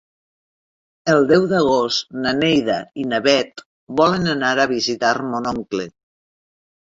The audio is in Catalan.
El deu d'agost na Neida i na Bet volen anar a visitar mon oncle.